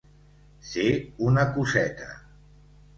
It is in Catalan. Ser un acuseta.